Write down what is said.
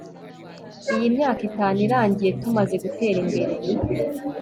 iyi myaka itanu irangiye tumaze gutera imbere